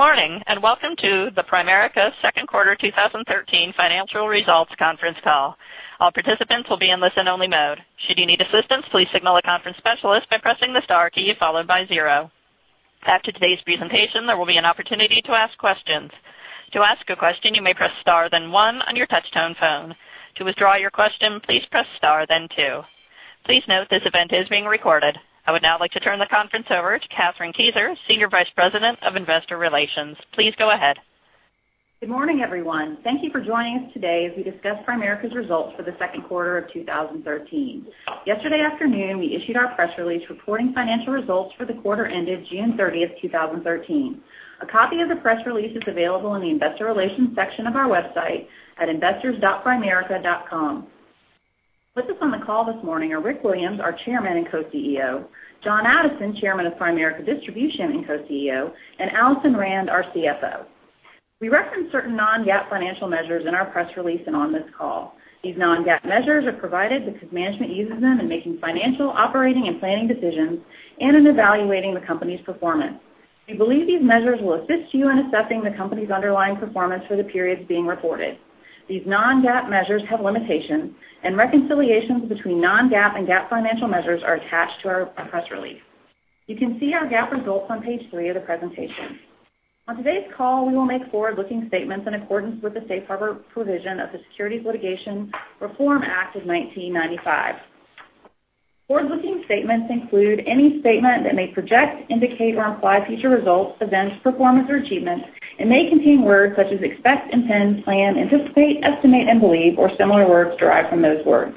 Good morning, welcome to the Primerica second quarter 2013 financial results conference call. All participants will be in listen-only mode. Should you need assistance, please signal a conference specialist by pressing the star key followed by zero. After today's presentation, there will be an opportunity to ask questions. To ask a question, you may press star then one on your touch tone phone. To withdraw your question, please press star then two. Please note this event is being recorded. I would now like to turn the conference over to Kathryn Kieser, Senior Vice President of Investor Relations. Please go ahead. Good morning, everyone. Thank you for joining us today as we discuss Primerica's results for the second quarter of 2013. Yesterday afternoon, we issued our press release reporting financial results for the quarter ended June 30th, 2013. A copy of the press release is available in the investor relations section of our website at investors.primerica.com. With us on the call this morning are Rick Williams, our Chairman and Co-CEO, John Addison, Chairman of Primerica Distribution and Co-CEO, and Alison Rand, our CFO. We reference certain non-GAAP financial measures in our press release and on this call. These non-GAAP measures are provided because management uses them in making financial, operating, and planning decisions, and in evaluating the company's performance. We believe these measures will assist you in assessing the company's underlying performance for the periods being reported. These non-GAAP measures have limitations, and reconciliations between non-GAAP and GAAP financial measures are attached to our press release. You can see our GAAP results on page three of the presentation. On today's call, we will make forward-looking statements in accordance with the safe harbor provision of the Securities Litigation Reform Act of 1995. Forward-looking statements include any statement that may project, indicate, or imply future results, events, performance, or achievements, and may contain words such as expect, intend, plan, anticipate, estimate, and believe, or similar words derived from those words.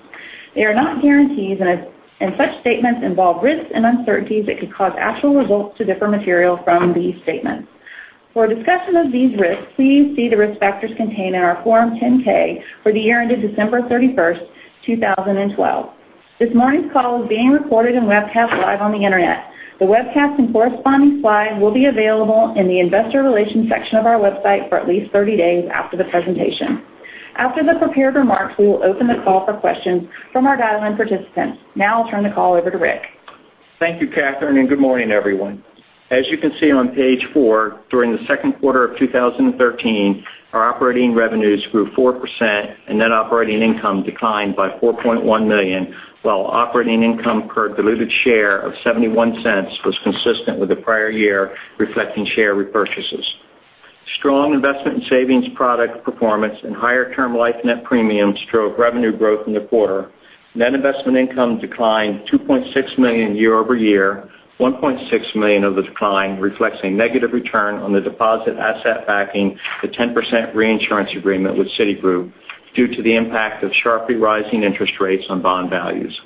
They are not guarantees, and such statements involve risks and uncertainties that could cause actual results to differ material from these statements. For a discussion of these risks, please see the risk factors contained in our Form 10-K for the year ended December 31st, 2012. This morning's call is being recorded and webcast live on the internet. The webcast and corresponding slides will be available in the investor relations section of our website for at least 30 days after the presentation. After the prepared remarks, we will open the call for questions from our dial-in participants. Now I'll turn the call over to Rick. Thank you, Kathryn, and good morning, everyone. As you can see on page four, during the second quarter of 2013, our operating revenues grew 4%. Net operating income declined by $4.1 million, while operating income per diluted share of $0.71 was consistent with the prior year, reflecting share repurchases. Strong investment and savings product performance and higher term life net premiums drove revenue growth in the quarter. Net investment income declined $2.6 million year-over-year. $1.6 million of the decline reflects a negative return on the deposit asset backing the 10% reinsurance agreement with Citigroup due to the impact of sharply rising interest rates on bond values.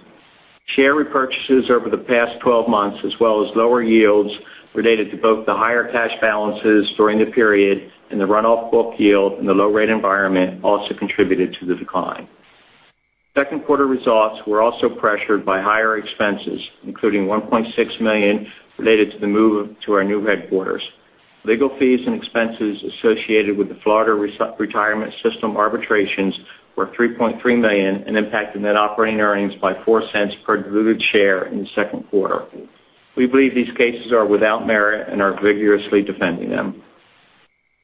Share repurchases over the past 12 months, as well as lower yields related to both the higher cash balances during the period and the runoff book yield in the low-rate environment also contributed to the decline. Second quarter results were also pressured by higher expenses, including $1.6 million related to the move to our new headquarters. Legal fees and expenses associated with the Florida Retirement System arbitrations were $3.3 million and impacted net operating earnings by $0.04 per diluted share in the second quarter. We believe these cases are without merit and are vigorously defending them.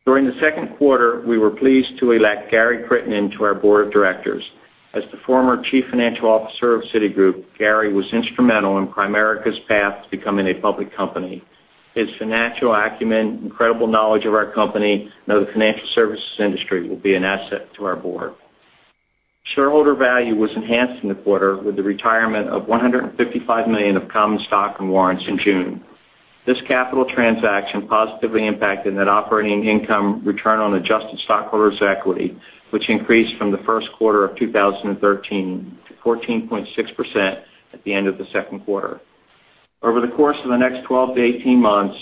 During the second quarter, we were pleased to elect Gary Crittenden to our board of directors. As the former Chief Financial Officer of Citigroup, Gary was instrumental in Primerica's path to becoming a public company. His financial acumen, incredible knowledge of our company, and of the financial services industry will be an asset to our board. Shareholder value was enhanced in the quarter with the retirement of $155 million of common stock and warrants in June. This capital transaction positively impacted net operating income return on adjusted stockholders' equity, which increased from the first quarter of 2013 to 14.6% at the end of the second quarter. Over the course of the next 12-18 months,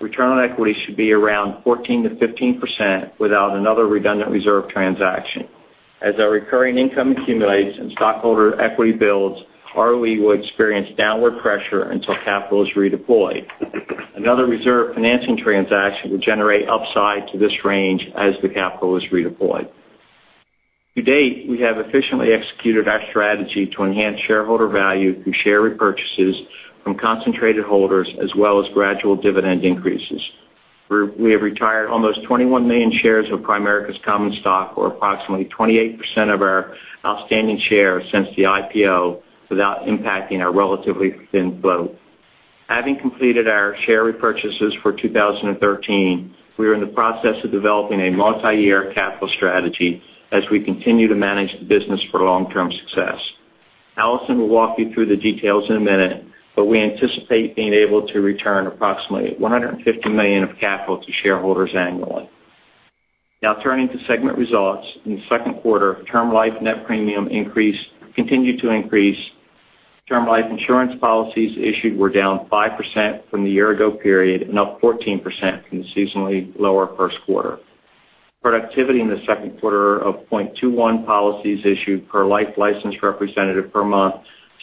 return on equity should be around 14%-15% without another redundant reserve transaction. As our recurring income accumulates and stockholder equity builds, ROE will experience downward pressure until capital is redeployed. Another reserve financing transaction will generate upside to this range as the capital is redeployed. To date, we have efficiently executed our strategy to enhance shareholder value through share repurchases from concentrated holders as well as gradual dividend increases. We have retired almost 21 million shares of Primerica's common stock, or approximately 28% of our outstanding shares since the IPO, without impacting our relatively thin float. Having completed our share repurchases for 2013, we are in the process of developing a multi-year capital strategy as we continue to manage the business for long-term success. Alison will walk you through the details in a minute, but we anticipate being able to return approximately $150 million of capital to shareholders annually. Turning to segment results. In the second quarter, term life net premium continued to increase. Term life insurance policies issued were down 5% from the year-ago period and up 14% from the seasonally lower first quarter. Productivity in the second quarter of 0.21 policies issued per life licensed representative per month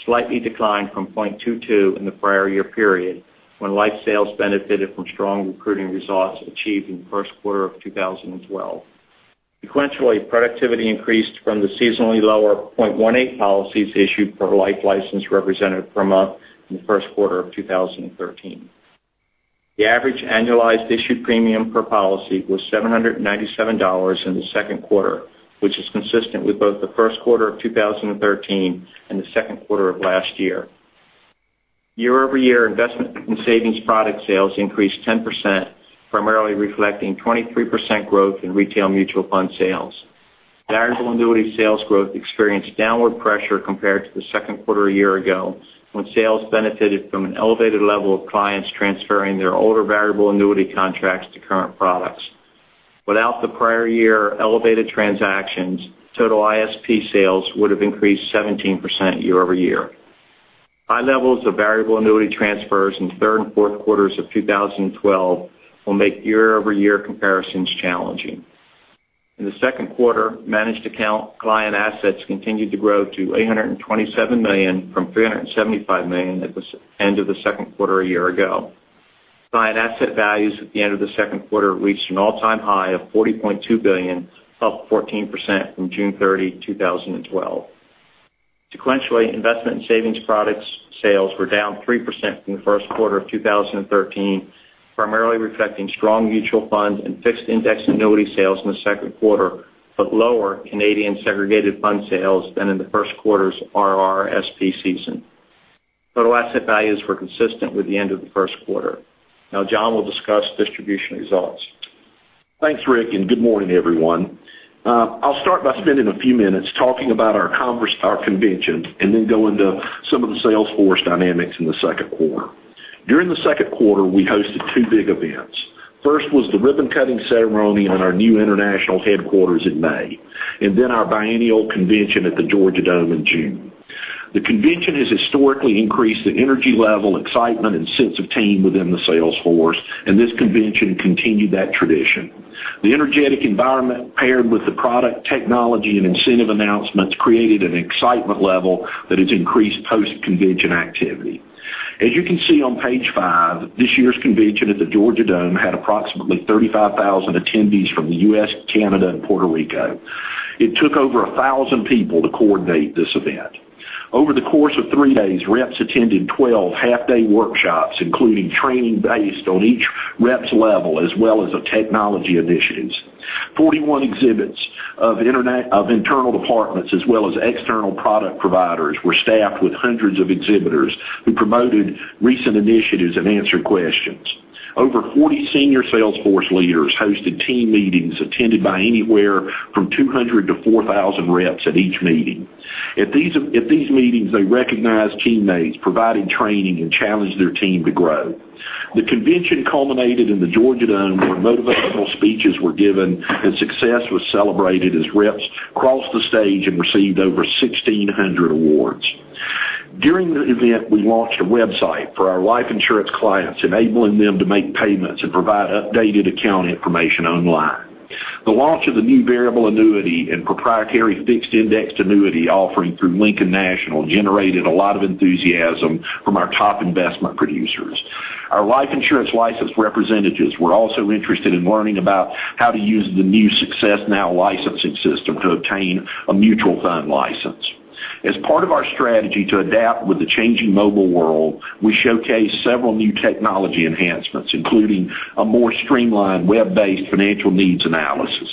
slightly declined from 0.22 in the prior year period, when life sales benefited from strong recruiting results achieved in the first quarter of 2012. Sequentially, productivity increased from the seasonally lower 0.18 policies issued per life license representative per month in the first quarter of 2013. The average annualized issued premium per policy was $797 in the second quarter, which is consistent with both the first quarter of 2013 and the second quarter of last year. Year-over-year investment in savings product sales increased 10%, primarily reflecting 23% growth in retail mutual fund sales. Variable annuity sales growth experienced downward pressure compared to the second quarter a year ago, when sales benefited from an elevated level of clients transferring their older variable annuity contracts to current products. Without the prior year elevated transactions, total ISP sales would have increased 17% year-over-year. High levels of variable annuity transfers in the third and fourth quarters of 2012 will make year-over-year comparisons challenging. In the second quarter, managed account client assets continued to grow to $827 million from $375 million at the end of the second quarter a year ago. Client asset values at the end of the second quarter reached an all-time high of $40.2 billion, up 14% from June 30, 2012. Sequentially, Investment and Savings Products sales were down 3% from the first quarter of 2013, primarily reflecting strong mutual fund and fixed indexed annuity sales in the second quarter, but lower Canadian segregated fund sales than in the first quarter's RRSP season. Total asset values were consistent with the end of the first quarter. John will discuss distribution results. Thanks, Rick, good morning, everyone. I'll start by spending a few minutes talking about our convention then go into some of the sales force dynamics in the second quarter. During the second quarter, we hosted two big events. First was the ribbon cutting ceremony on our new international headquarters in May, then our biennial convention at the Georgia Dome in June. The convention has historically increased the energy level, excitement, and sense of team within the sales force, this convention continued that tradition. The energetic environment paired with the product technology and incentive announcements created an excitement level that has increased post-convention activity. As you can see on page five, this year's convention at the Georgia Dome had approximately 35,000 attendees from the U.S., Canada, and Puerto Rico. It took over 1,000 people to coordinate this event. Over the course of three days, reps attended 12 half-day workshops, including training based on each rep's level, as well as the technology initiatives. Forty-one exhibits of internal departments as well as external product providers were staffed with hundreds of exhibitors who promoted recent initiatives and answered questions. Over 40 senior sales force leaders hosted team meetings attended by anywhere from 200 to 4,000 reps at each meeting. At these meetings, they recognized teammates, provided training, and challenged their team to grow. The convention culminated in the Georgia Dome, where motivational speeches were given, and success was celebrated as reps crossed the stage and received over 1,600 awards. During the event, we launched a website for our life insurance clients, enabling them to make payments and provide updated account information online. The launch of the new variable annuity and proprietary fixed-indexed annuity offering through Lincoln National generated a lot of enthusiasm from our top investment producers. Our life insurance licensed representatives were also interested in learning about how to use the new SuccessNow! licensing system to obtain a mutual fund license. As part of our strategy to adapt with the changing mobile world, we showcased several new technology enhancements, including a more streamlined web-based financial needs analysis.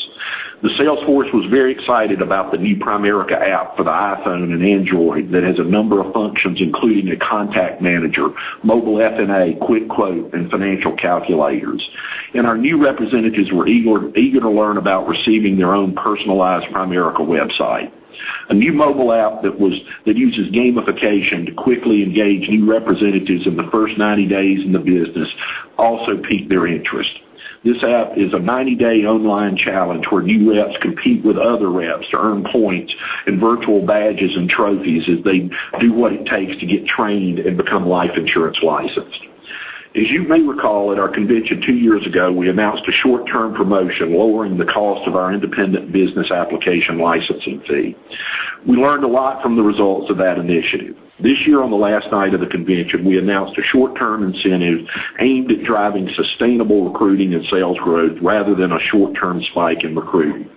The sales force was very excited about the new Primerica app for the iPhone and Android that has a number of functions, including a contact manager, mobile FNA, quick quote, and financial calculators. Our new representatives were eager to learn about receiving their own personalized Primerica website. A new mobile app that uses gamification to quickly engage new representatives in the first 90 days in the business also piqued their interest. This app is a 90-day online challenge where new reps compete with other reps to earn points and virtual badges and trophies as they do what it takes to get trained and become life insurance licensed. As you may recall, at our convention two years ago, we announced a short-term promotion lowering the cost of our independent business application licensing fee. We learned a lot from the results of that initiative. This year, on the last night of the convention, we announced a short-term incentive aimed at driving sustainable recruiting and sales growth rather than a short-term spike in recruiting.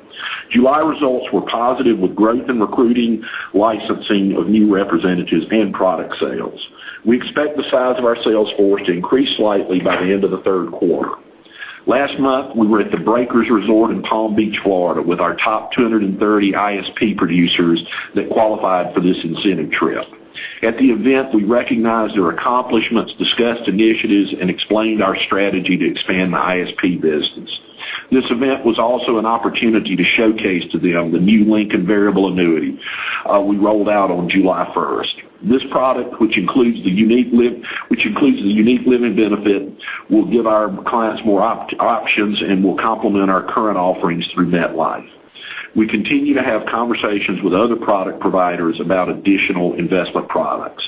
July results were positive, with growth in recruiting, licensing of new representatives, and product sales. We expect the size of our sales force to increase slightly by the end of the third quarter. Last month, we were at the Breakers Resort in Palm Beach, Florida, with our top 230 ISP producers that qualified for this incentive trip. At the event, we recognized their accomplishments, discussed initiatives, and explained our strategy to expand the ISP business. This event was also an opportunity to showcase to them the new Lincoln Variable Annuity we rolled out on July 1st. This product, which includes the unique living benefit, will give our clients more options and will complement our current offerings through MetLife. We continue to have conversations with other product providers about additional investment products.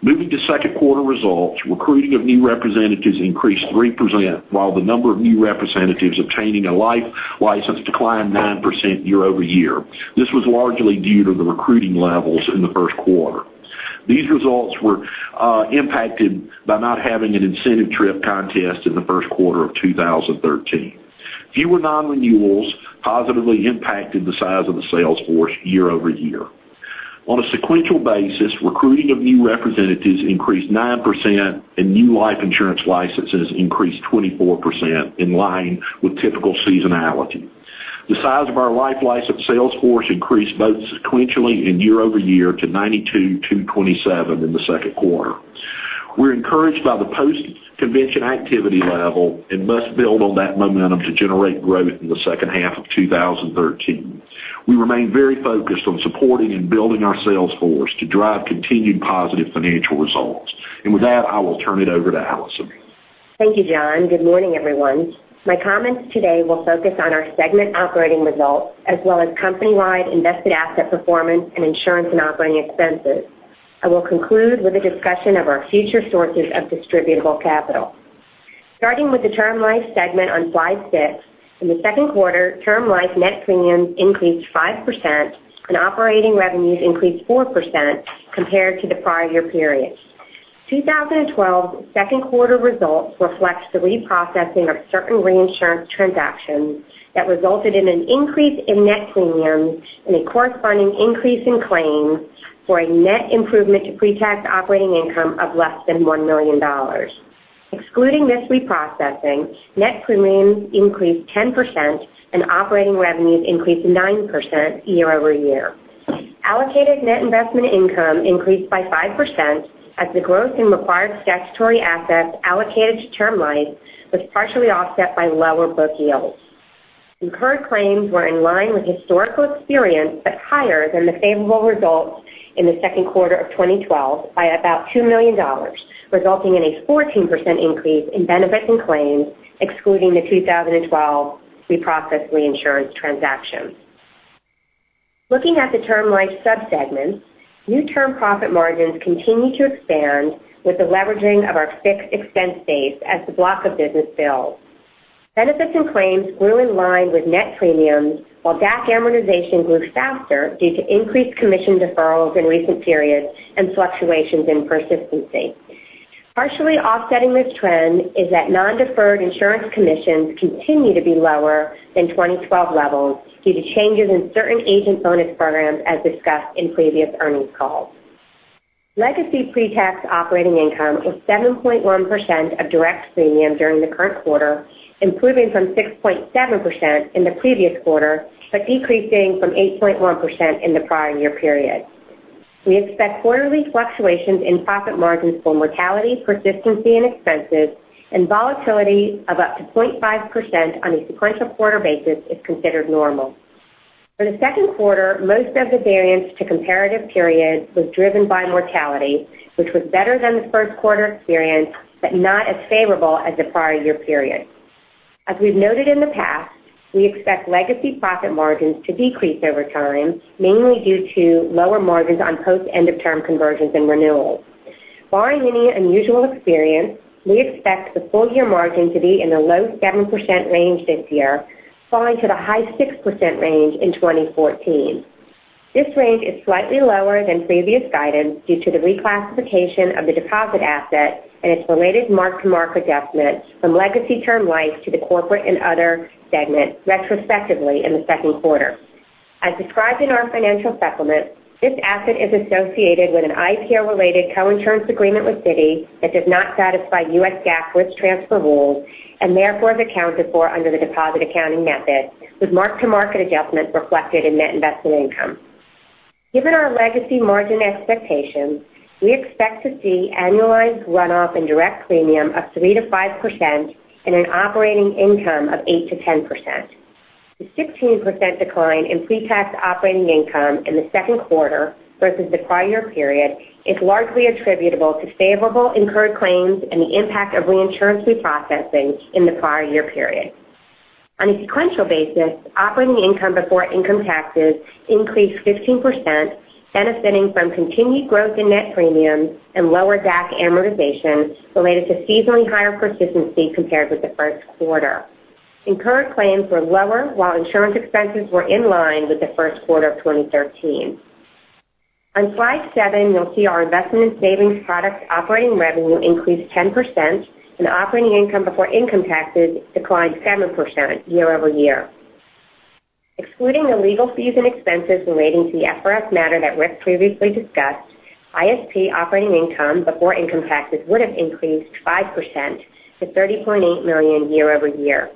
Moving to second quarter results, recruiting of new representatives increased 3%, while the number of new representatives obtaining a life license declined 9% year-over-year. This was largely due to the recruiting levels in the first quarter. These results were impacted by not having an incentive trip contest in the first quarter of 2013. Fewer non-renewals positively impacted the size of the sales force year-over-year. On a sequential basis, recruiting of new representatives increased 9%, and new life insurance licenses increased 24%, in line with typical seasonality. The size of our life license sales force increased both sequentially and year-over-year to 92,227 in the second quarter. We're encouraged by the post-convention activity level and must build on that momentum to generate growth in the second half of 2013. We remain very focused on supporting and building our sales force to drive continued positive financial results. With that, I will turn it over to Alison. Thank you, John. Good morning, everyone. My comments today will focus on our segment operating results as well as company-wide invested asset performance and insurance and operating expenses. I will conclude with a discussion of our future sources of distributable capital. Starting with the Term Life segment on slide six, in the second quarter, Term Life net premiums increased 5% and operating revenues increased 4% compared to the prior year period. 2012's second quarter results reflects the reprocessing of certain reinsurance transactions that resulted in an increase in net premiums and a corresponding increase in claims for a net improvement to pre-tax operating income of less than $1 million. Excluding this reprocessing, net premiums increased 10% and operating revenues increased 9% year-over-year. Allocated net investment income increased by 5% as the growth in required statutory assets allocated to Term Life was partially offset by lower book yields. Incurred claims were in line with historical experience, Higher than the favorable results in the second quarter of 2012 by about $2 million, resulting in a 14% increase in benefits and claims, excluding the 2012 reprocessed reinsurance transactions. Looking at the Term Life sub-segments, new term profit margins continue to expand with the leveraging of our fixed expense base as the block of business builds. Benefits and claims grew in line with net premiums, while DAC amortization grew faster due to increased commission deferrals in recent periods and fluctuations in persistency. Partially offsetting this trend is that non-deferred insurance commissions continue to be lower than 2012 levels due to changes in certain agent bonus programs, as discussed in previous earnings calls. Legacy pre-tax operating income was 7.1% of direct premium during the current quarter, improving from 6.7% in the previous quarter, Decreasing from 8.1% in the prior year period. We expect quarterly fluctuations in profit margins for mortality, persistency, and expenses, and volatility of up to 0.5% on a sequential quarter basis is considered normal. For the second quarter, most of the variance to comparative period was driven by mortality, which was better than the first quarter experience, but not as favorable as the prior year period. As we've noted in the past, we expect legacy profit margins to decrease over time, mainly due to lower margins on post-end of term conversions and renewals. Barring any unusual experience, we expect the full year margin to be in the low 7% range this year, falling to the high 6% range in 2014. This range is slightly lower than previous guidance due to the reclassification of the deposit asset and its related mark-to-market adjustment from legacy Term Life to the Corporate & Other segment retrospectively in the second quarter. As described in our financial supplements, this asset is associated with an IPO-related co-insurance agreement with Citi that does not satisfy U.S. GAAP risk transfer rules, Therefore is accounted for under the deposit accounting method, with mark-to-market adjustments reflected in net investment income. Given our legacy margin expectations, we expect to see annualized run-off in direct premium of 3%-5% and an operating income of 8%-10%. The 16% decline in pre-tax operating income in the second quarter versus the prior year period is largely attributable to favorable incurred claims and the impact of reinsurance reprocessing in the prior year period. On a sequential basis, operating income before income taxes increased 15%, benefiting from continued growth in net premiums and lower DAC amortization related to seasonally higher persistency compared with the first quarter. Incurred claims were lower while insurance expenses were in line with the first quarter of 2013. On slide seven, you'll see our Investment and Savings Products operating revenue increased 10% and operating income before income taxes declined 7% year-over-year. Excluding the legal fees and expenses relating to the FRS matter that Rick previously discussed, ISP operating income before income taxes would have increased 5% to $30.8 million year-over-year.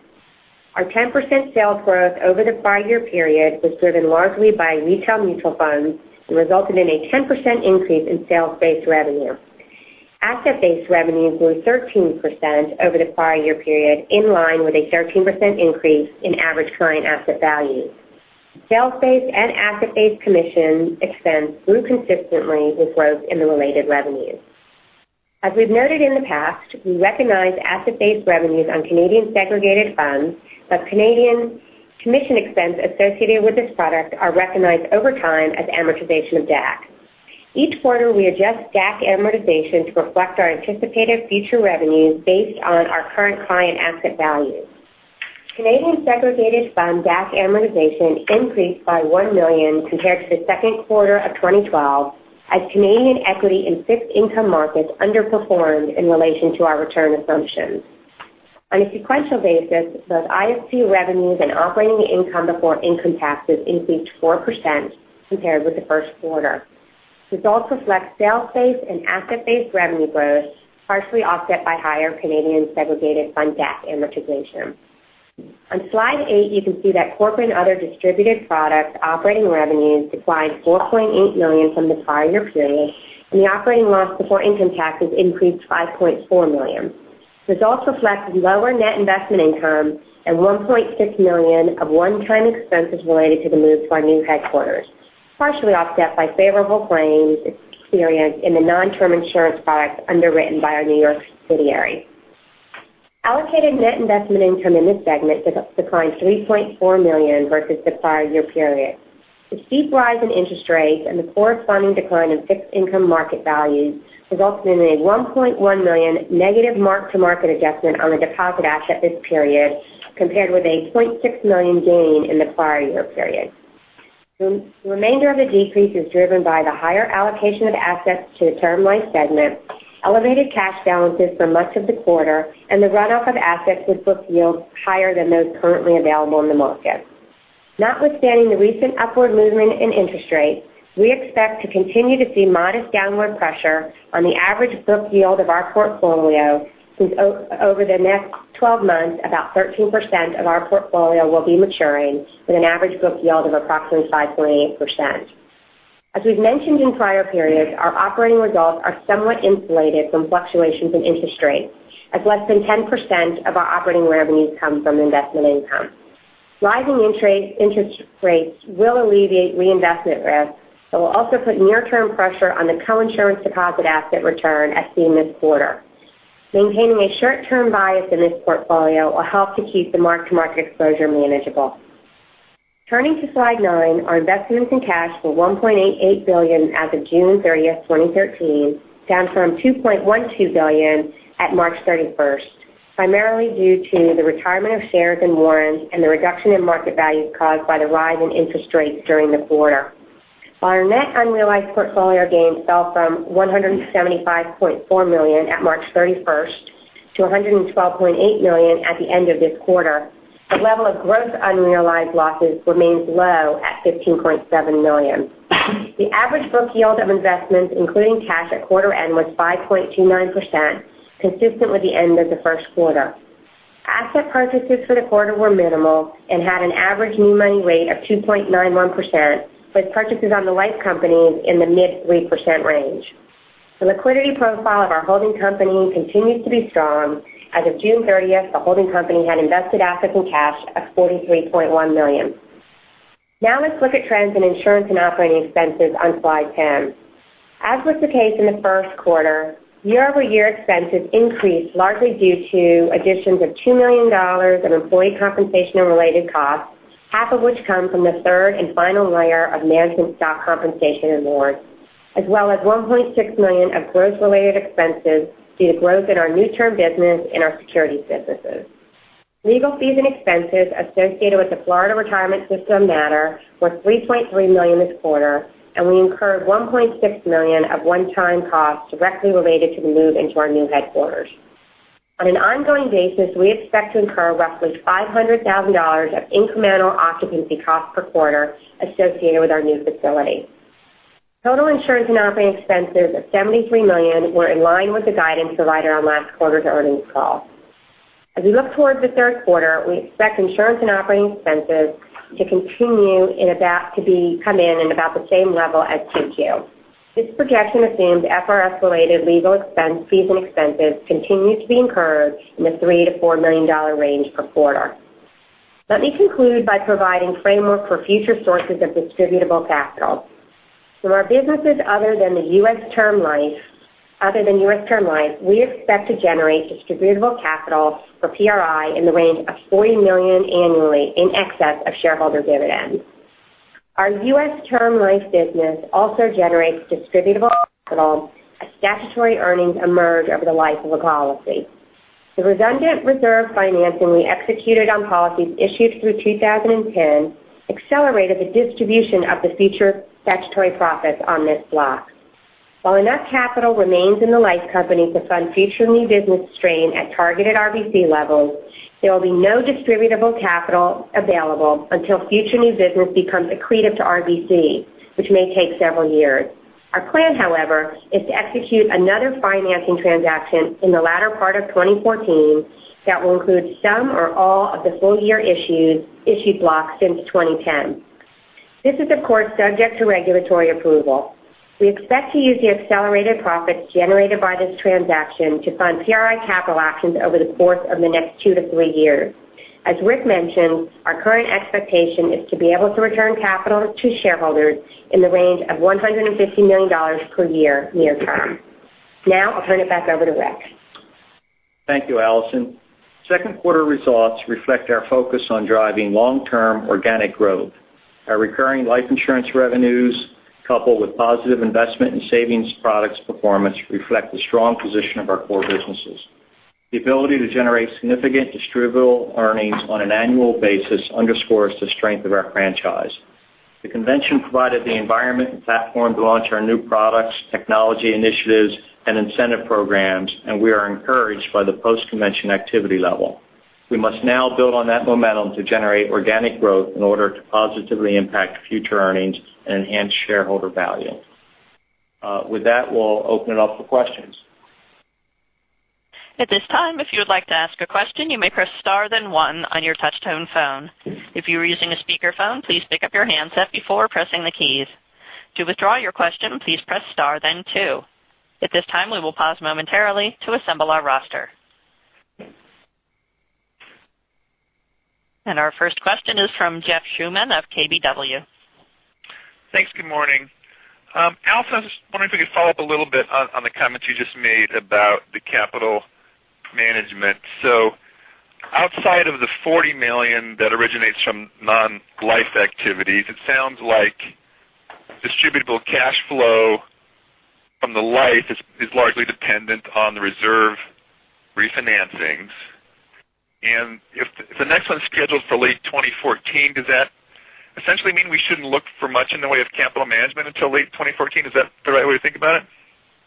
Our 10% sales growth over the prior year period was driven largely by retail mutual funds and resulted in a 10% increase in sales-based revenue. Asset-based revenues grew 13% over the prior year period, in line with a 13% increase in average client asset value. Sales-based and asset-based commission expense grew consistently with growth in the related revenues. As we've noted in the past, we recognize asset-based revenues on Canadian segregated funds, but Canadian commission expense associated with this product are recognized over time as amortization of DAC. Each quarter, we adjust DAC amortization to reflect our anticipated future revenues based on our current client asset value. Canadian segregated fund DAC amortization increased by $1 million compared to the second quarter of 2012, as Canadian equity in fixed income markets underperformed in relation to our return assumptions. On a sequential basis, both ISP revenues and operating income before income taxes increased 4% compared with the first quarter. Results reflect sales-based and asset-based revenue growth, partially offset by higher Canadian segregated fund DAC amortization. On slide eight, you can see that corporate and other distributed product operating revenues declined $4.8 million from the prior year period, and the operating loss before income taxes increased $5.4 million. Results reflect lower net investment income and $1.6 million of one-time expenses related to the move to our new headquarters, partially offset by favorable claims experienced in the non-term insurance products underwritten by our New York subsidiary. Allocated net investment income in this segment declined $3.4 million versus the prior year period. The steep rise in interest rates and the corresponding decline in fixed income market values resulted in a $1.1 million negative mark-to-market adjustment on the deposit assets this period compared with a $0.6 million gain in the prior year period. The remainder of the decrease is driven by the higher allocation of assets to the term life segment, elevated cash balances for much of the quarter, and the runoff of assets with book yields higher than those currently available in the market. Notwithstanding the recent upward movement in interest rates, we expect to continue to see modest downward pressure on the average book yield of our portfolio since over the next 12 months, about 13% of our portfolio will be maturing with an average book yield of approximately 5.8%. As we've mentioned in prior periods, our operating results are somewhat insulated from fluctuations in interest rates, as less than 10% of our operating revenues come from investment income. Rising interest rates will alleviate reinvestment risk but will also put near-term pressure on the co-insurance deposit asset return as seen this quarter. Maintaining a short-term bias in this portfolio will help to keep the mark-to-market exposure manageable. Turning to slide nine, our investments in cash were $1.88 billion as of June 30th, 2013, down from $2.12 billion at March 31st, primarily due to the retirement of shares and warrants and the reduction in market values caused by the rise in interest rates during the quarter. While our net unrealized portfolio gains fell from $175.4 million at March 31st to $112.8 million at the end of this quarter, the level of gross unrealized losses remains low at $15.7 million. The average book yield of investments, including cash at quarter end, was 5.29%, consistent with the end of the first quarter. Asset purchases for the quarter were minimal and had an average new money rate of 2.91%, with purchases on the life companies in the mid 3% range. The liquidity profile of our holding company continues to be strong. As of June 30th, the holding company had invested assets and cash of $43.1 million. Now let's look at trends in insurance and operating expenses on slide 10. As was the case in the first quarter, year-over-year expenses increased largely due to additions of $2 million in employee compensation and related costs, half of which come from the third and final layer of management stock compensation awards, as well as $1.6 million of growth-related expenses due to growth in our new term business and our securities businesses. Legal fees and expenses associated with the Florida Retirement System matter were $3.3 million this quarter, and we incurred $1.6 million of one-time costs directly related to the move into our new headquarters. On an ongoing basis, we expect to incur roughly $500,000 of incremental occupancy costs per quarter associated with our new facility. Total insurance and operating expenses of $73 million were in line with the guidance provided on last quarter's earnings call. As we look towards the third quarter, we expect insurance and operating expenses to continue to come in at about the same level as Q2. This projection assumes FRS-related legal fees and expenses continue to be incurred in the $3 million-$4 million range per quarter. Let me conclude by providing framework for future sources of distributable capital. From our businesses other than U.S. Term Life, we expect to generate distributable capital for PRI in the range of $40 million annually, in excess of shareholder dividends. Our U.S. Term Life business also generates distributable capital as statutory earnings emerge over the life of a policy. The redundant reserve financing we executed on policies issued through 2010 accelerated the distribution of the future statutory profits on this block. While enough capital remains in the life company to fund future new business strain at targeted RBC levels, there will be no distributable capital available until future new business becomes accretive to RBC, which may take several years. Our plan, however, is to execute another financing transaction in the latter part of 2014 that will include some or all of the full-year issued blocks since 2010. This is, of course, subject to regulatory approval. We expect to use the accelerated profits generated by this transaction to fund PRI capital actions over the course of the next two to three years. As Rick mentioned, our current expectation is to be able to return capital to shareholders in the range of $150 million per year near-term. Now, I'll turn it back over to Rick. Thank you, Alison. Second quarter results reflect our focus on driving long-term organic growth. Our recurring life insurance revenues, coupled with positive Investment and Savings Products performance, reflect the strong position of our core businesses. The ability to generate significant distributable earnings on an annual basis underscores the strength of our franchise. The convention provided the environment and platform to launch our new products, technology initiatives, and incentive programs. We are encouraged by the post-convention activity level. We must now build on that momentum to generate organic growth in order to positively impact future earnings and enhance shareholder value. With that, we'll open it up for questions. At this time, if you would like to ask a question, you may press star then one on your touch-tone phone. If you are using a speakerphone, please pick up your handset before pressing the keys. To withdraw your question, please press star then two. At this time, we will pause momentarily to assemble our roster. Our first question is from Jeff Schuman of KBW. Thanks. Good morning. Alison, I was wondering if we could follow up a little bit on the comments you just made about the capital management. Outside of the $40 million that originates from non-life activities, it sounds like distributable cash flow from the life is largely dependent on the reserve refinancings. If the next one's scheduled for late 2014, does that essentially mean we shouldn't look for much in the way of capital management until late 2014? Is that the right way to think about it?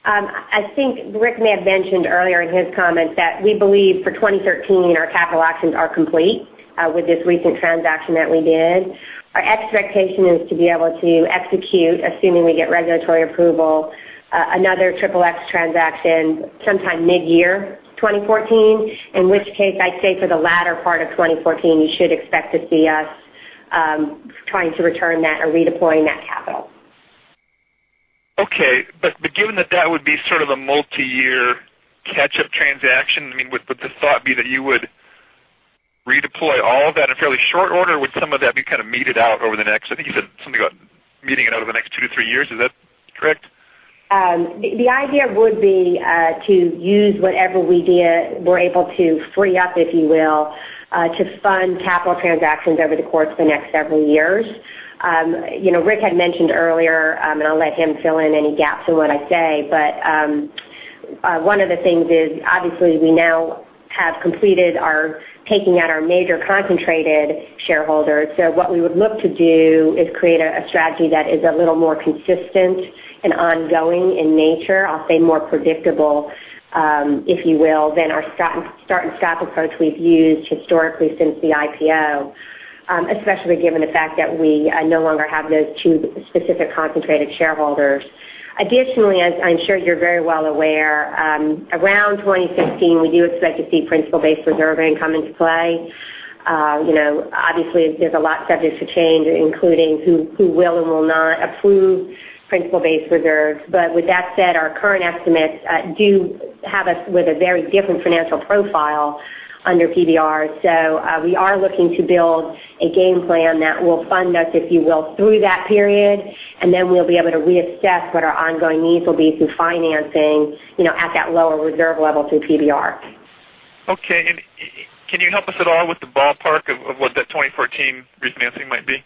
I think Rick may have mentioned earlier in his comments that we believe for 2013 our capital actions are complete with this recent transaction that we did. Our expectation is to be able to execute, assuming we get regulatory approval, another Regulation XXX transaction sometime mid-year 2014. In which case, I'd say for the latter part of 2014, you should expect to see us trying to return that or redeploying that capital. Okay. Given that that would be sort of a multi-year catch-up transaction, would the thought be that you would redeploy all of that in fairly short order? Would some of that be kind of meted out over the next, I think you said something about meting it out over the next two to three years. Is that correct? The idea would be to use whatever we're able to free up, if you will, to fund capital transactions over the course of the next several years. Rick had mentioned earlier, I'll let him fill in any gaps in what I say, but one of the things is obviously we now have completed our taking out our major concentrated shareholders. What we would look to do is create a strategy that is a little more consistent and ongoing in nature, I'll say more predictable, if you will, than our start and stop approach we've used historically since the IPO. Especially given the fact that we no longer have those two specific concentrated shareholders. Additionally, as I'm sure you're very well aware, around 2016, we do expect to see principal-based reserving come into play. Obviously, there's a lot subject to change, including who will and will not approve principal-based reserving. With that said, our current estimates do have us with a very different financial profile under PBR. We are looking to build a game plan that will fund us, if you will, through that period, and then we'll be able to reassess what our ongoing needs will be through financing at that lower reserve level through PBR. Okay. Can you help us at all with the ballpark of what that 2014 refinancing might be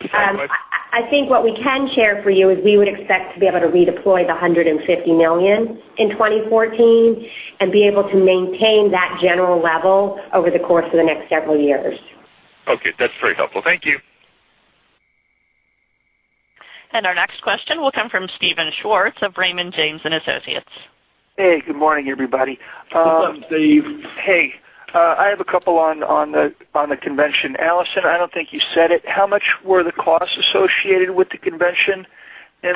size-wise? I think what we can share for you is we would expect to be able to redeploy the $150 million in 2014 and be able to maintain that general level over the course of the next several years. Okay. That's very helpful. Thank you. Our next question will come from Steven Schwartz of Raymond James & Associates. Hey, good morning, everybody. Good morning, Steve. Hey, I have a couple on the convention. Alison, I don't think you said it. How much were the costs associated with the convention, and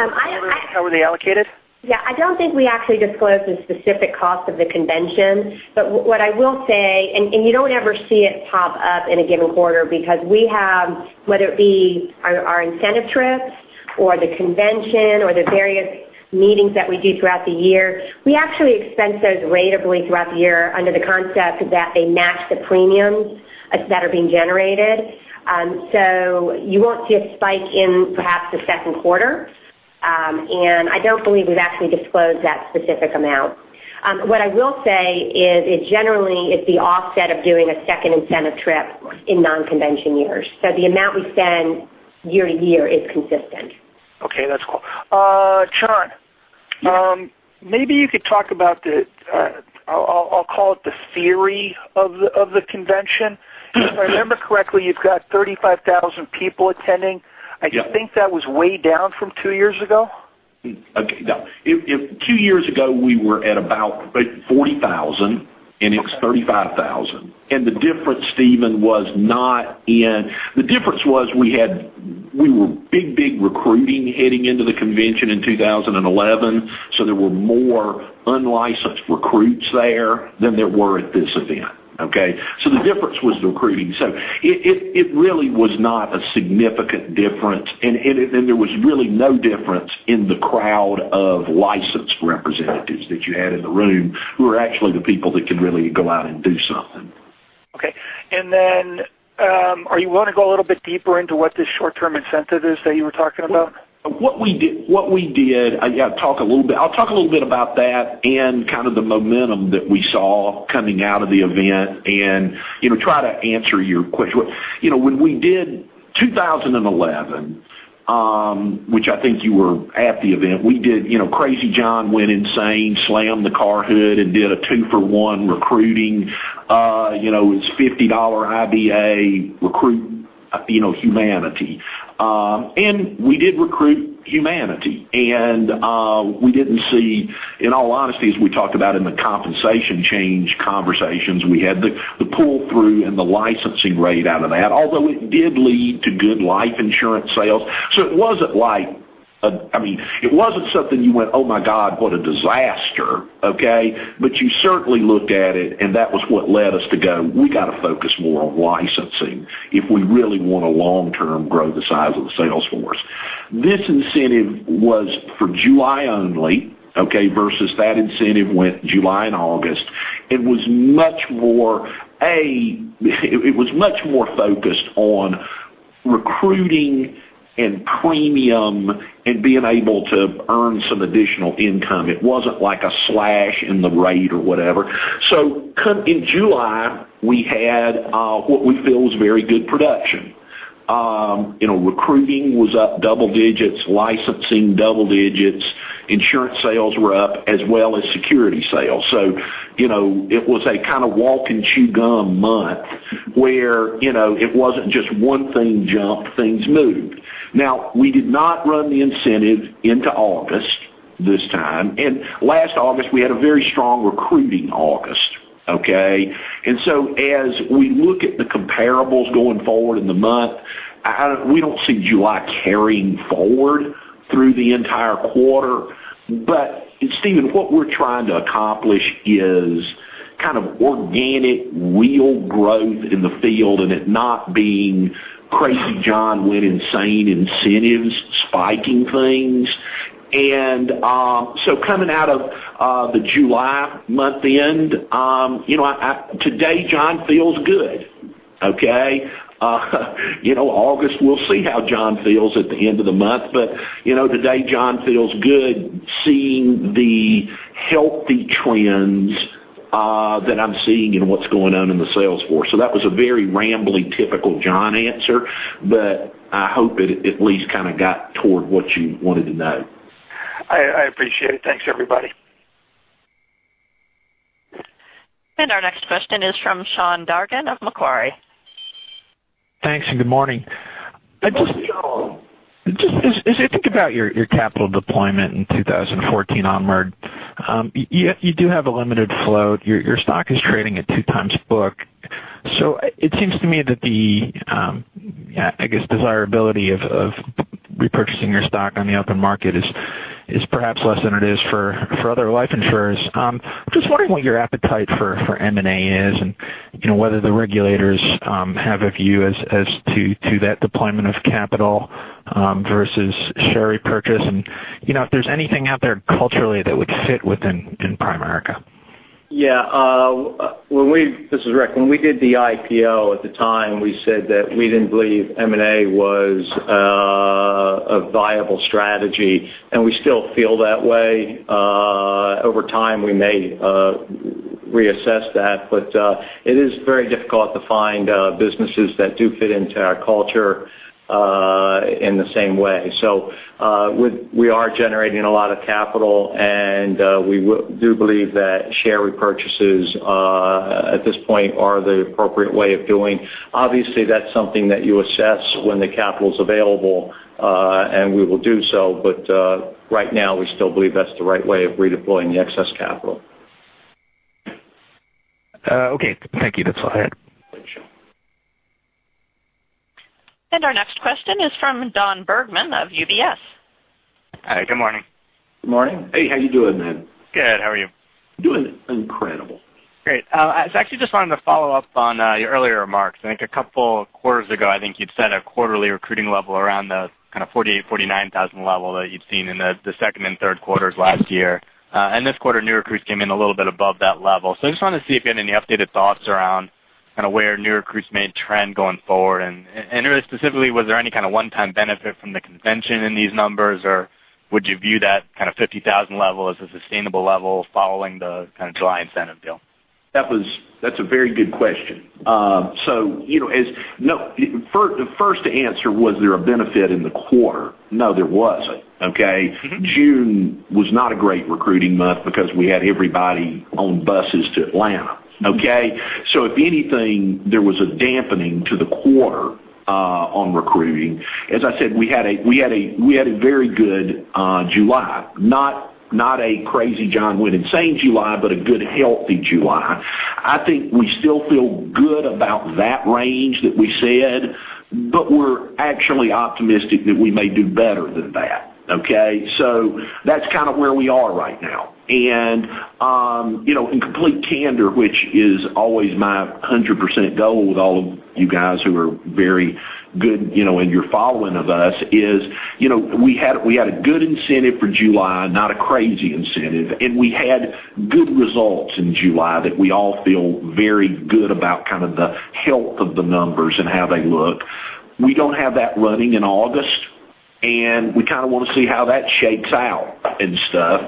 how were they allocated? Yeah, I don't think we actually disclosed the specific cost of the convention. What I will say, and you don't ever see it pop up in a given quarter because we have, whether it be our incentive trips or the convention or the various meetings that we do throughout the year, we actually expense those ratably throughout the year under the concept that they match the premiums that are being generated. You won't see a spike in perhaps the second quarter. I don't believe we've actually disclosed that specific amount. What I will say is it generally is the offset of doing a second incentive trip in non-convention years. The amount we spend year to year is consistent. Okay, that's cool. John, maybe you could talk about, I'll call it the theory of the convention. If I remember correctly, you've got 35,000 people attending. Yeah. I think that was way down from two years ago? Okay, no. Two years ago, we were at about 40,000, and it's 35,000. The difference, Steven, was we were big, big recruiting heading into the convention in 2011. There were more unlicensed recruits there than there were at this event. Okay. The difference was the recruiting. It really was not a significant difference. There was really no difference in the crowd of licensed representatives that you had in the room who were actually the people that could really go out and do something. Okay. Then, are you willing to go a little bit deeper into what this short-term incentive is that you were talking about? What we did, I'll talk a little bit about that and kind of the momentum that we saw coming out of the event and try to answer your question. When we did 2011. Which I think you were at the event. Crazy John went insane, slammed the car hood, and did a two-for-one recruiting. It was $50 IBA recruiting unity. We did recruiting unity, and we didn't see, in all honesty, as we talked about in the compensation change conversations we had, the pull-through and the licensing rate out of that, although it did lead to good life insurance sales. It wasn't something you went, "Oh my God, what a disaster." Okay? You certainly looked at it, and that was what led us to go, we got to focus more on licensing if we really want to long-term grow the size of the sales force. This incentive was for July only, okay, versus that incentive went July and August. It was much more focused on recruiting and premium and being able to earn some additional income. It wasn't like a slash in the rate or whatever. In July, we had what we feel was very good production. Recruiting was up double digits, licensing double digits, insurance sales were up as well as security sales. It was a kind of walk and chew gum month where it wasn't just one thing jumped, things moved. We did not run the incentive into August this time, and last August, we had a very strong recruiting August, okay? As we look at the comparables going forward in the month, we don't see July carrying forward through the entire quarter. Steven, what we're trying to accomplish is kind of organic, real growth in the field, and it not being Crazy John went insane incentives spiking things. Coming out of the July month end, today John feels good. Okay? August, we'll see how John feels at the end of the month, but today John feels good seeing the healthy trends that I'm seeing in what's going on in the sales force. That was a very rambly, typical John answer, but I hope it at least kind of got toward what you wanted to know. I appreciate it. Thanks, everybody. Our next question is from Sean Dargan of Macquarie. Thanks, and good morning. As I think about your capital deployment in 2014 onward, you do have a limited float. Your stock is trading at two times book. It seems to me that the, I guess, desirability of repurchasing your stock on the open market is perhaps less than it is for other life insurers. I'm just wondering what your appetite for M&A is and whether the regulators have a view as to that deployment of capital versus share repurchase and if there's anything out there culturally that would fit within Primerica. Yeah. This is Rick. When we did the IPO at the time, we said that we didn't believe M&A was a viable strategy, and we still feel that way. Over time, we may reassess that, but it is very difficult to find businesses that do fit into our culture in the same way. We are generating a lot of capital, and we do believe that share repurchases at this point are the appropriate way of doing. Obviously, that's something that you assess when the capital's available, and we will do so. Right now, we still believe that's the right way of redeploying the excess capital. Okay. Thank you. That's all. Sure. Our next question is from Dan Bergman of UBS. Hi, good morning. Good morning. Hey, how you doing, man? Good. How are you? Doing incredible. Great. I actually just wanted to follow up on your earlier remarks. I think a couple of quarters ago, I think you'd set a quarterly recruiting level around the kind of 48,000, 49,000 level that you'd seen in the second and third quarters last year. This quarter, new recruits came in a little bit above that level. I just wanted to see if you had any updated thoughts around where new recruits may trend going forward. I know specifically, was there any kind of one-time benefit from the convention in these numbers, or would you view that kind of 50,000 level as a sustainable level following the kind of July incentive deal? That's a very good question. First to answer, was there a benefit in the quarter? No, there wasn't. Okay? June was not a great recruiting month because we had everybody on buses to Atlanta. Okay? If anything, there was a dampening to the quarter on recruiting. As I said, we had a very good July. Not a crazy John went insane July, but a good, healthy July. I think we still feel good about that range that we said. We're actually optimistic that we may do better than that. Okay? That's kind of where we are right now. In complete candor, which is always my 100% goal with all of you guys who are very good in your following of us is, we had a good incentive for July, not a crazy incentive, and we had good results in July that we all feel very good about kind of the health of the numbers and how they look. We don't have that running in August, and we kind of want to see how that shakes out and stuff.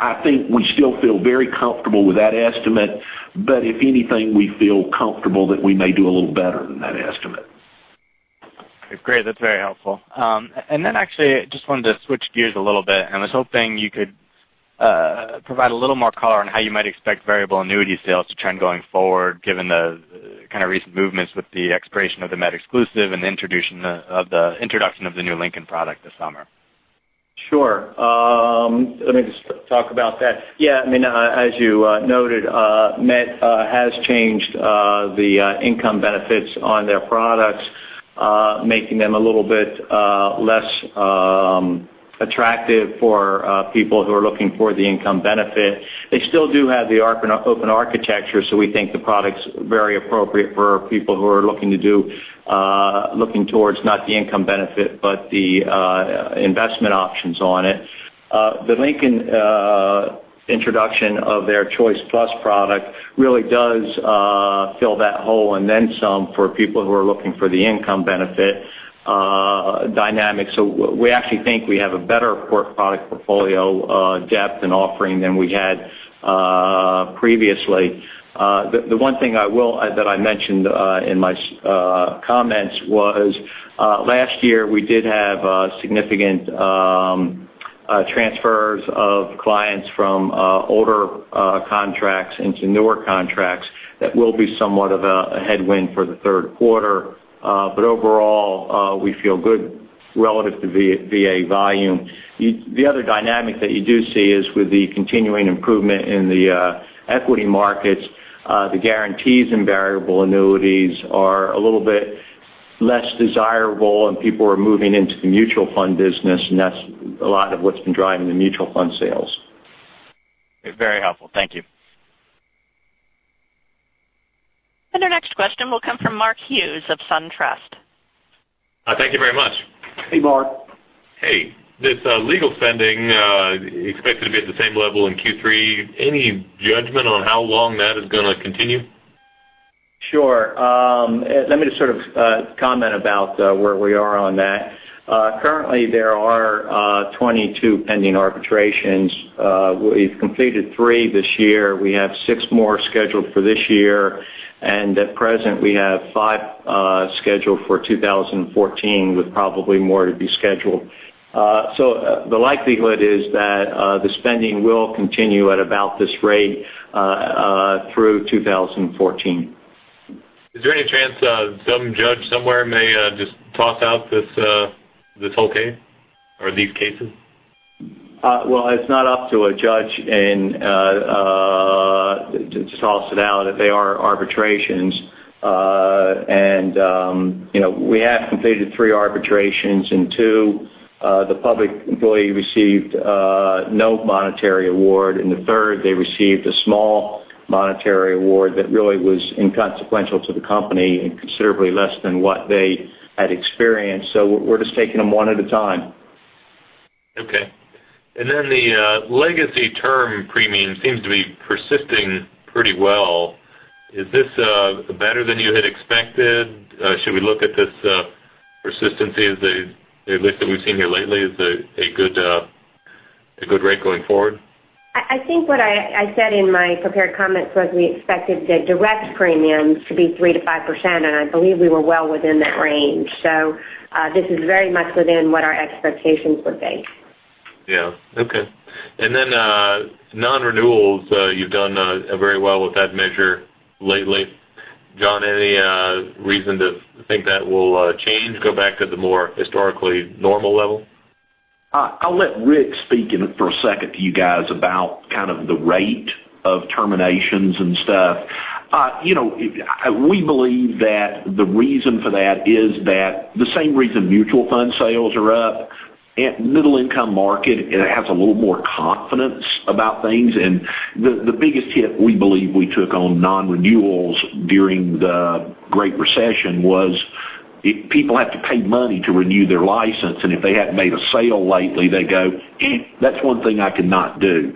I think we still feel very comfortable with that estimate. If anything, we feel comfortable that we may do a little better than that estimate. Great. That's very helpful. Then actually, just wanted to switch gears a little bit, and I was hoping you could provide a little more color on how you might expect variable annuity sales to trend going forward, given the recent movements with the expiration of the MetLife exclusive and the introduction of the new Lincoln product this summer. Sure. Let me just talk about that. Yeah, as you noted, Met has changed the income benefits on their products, making them a little bit less attractive for people who are looking for the income benefit. They still do have the open architecture, we think the product's very appropriate for people who are looking towards not the income benefit, but the investment options on it. The Lincoln introduction of their ChoicePlus product really does fill that hole and then some for people who are looking for the income benefit dynamic. We actually think we have a better product portfolio depth and offering than we had previously. The one thing that I mentioned in my comments was, last year we did have significant transfers of clients from older contracts into newer contracts. That will be somewhat of a headwind for the third quarter. Overall, we feel good relative to VA volume. The other dynamic that you do see is with the continuing improvement in the equity markets, the guarantees in variable annuities are a little bit less desirable, people are moving into the mutual fund business, that's a lot of what's been driving the mutual fund sales. Very helpful. Thank you. Our next question will come from Mark Hughes of SunTrust. Thank you very much. Hey, Mark. Hey. This legal spending expected to be at the same level in Q3. Any judgment on how long that is going to continue? Sure. Let me just sort of comment about where we are on that. Currently, there are 22 pending arbitrations. We've completed three this year. We have six more scheduled for this year, and at present, we have five scheduled for 2014, with probably more to be scheduled. The likelihood is that the spending will continue at about this rate through 2014. Is there any chance some judge somewhere may just toss out this whole case or these cases? It's not up to a judge to toss it out. They are arbitrations. We have completed three arbitrations. In two, the public employee received no monetary award. In the third, they received a small monetary award that really was inconsequential to the company and considerably less than what they had experienced. We're just taking them one at a time. Okay. The legacy term premium seems to be persisting pretty well. Is this better than you had expected? Should we look at this persistency as a lift that we've seen here lately as a good rate going forward? I think what I said in my prepared comments was we expected the direct premiums to be 3%-5%, and I believe we were well within that range. This is very much within what our expectations would be. Yeah. Okay. Then non-renewals, you've done very well with that measure lately. John, any reason to think that will change, go back to the more historically normal level? I'll let Rick speak in for a second to you guys about kind of the rate of terminations and stuff. We believe that the reason for that is that the same reason mutual fund sales are up, middle income market has a little more confidence about things. The biggest hit we believe we took on non-renewals during the Great Recession was people have to pay money to renew their license, and if they haven't made a sale lately, they go, "Eh. That's one thing I cannot do."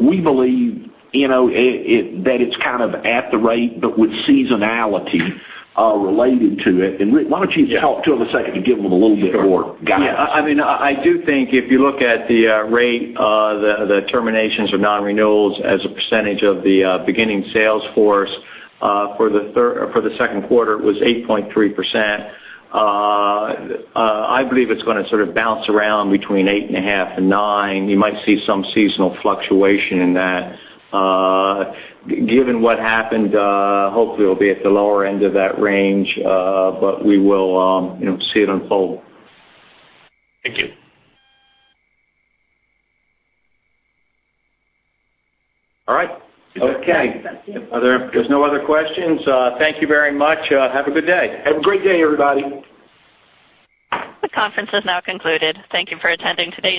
We believe that it's kind of at the rate, but with seasonality related to it. Rick, why don't you talk to them a second and give them a little bit more guidance? Yeah. I do think if you look at the rate, the terminations or non-renewals as a percentage of the beginning sales force, for the second quarter, it was 8.3%. I believe it's going to sort of bounce around between 8.5% and 9%. You might see some seasonal fluctuation in that. Given what happened, hopefully it'll be at the lower end of that range. We will see it unfold. Thank you. All right. Okay. If there's no other questions, thank you very much. Have a good day. Have a great day, everybody. The conference has now concluded. Thank you for attending today's call.